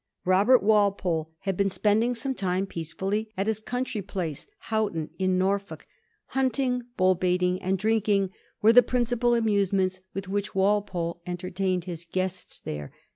Robert Walpole had been spending some time peaceftdly at his country place, Houghton, in Nor folk. Hunting, buU baiting, and drinking were the principal amusements with which Walpole entertained his guests there.